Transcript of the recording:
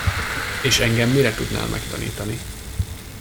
És engem mire tudnál megtanítani?